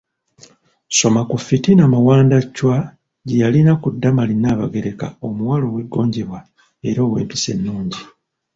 Soma ku fitina Mawanda Chwa gye yalina ku Damali Nabagereka omuwala ow’eggonjebwa era ow’empisa ennungi.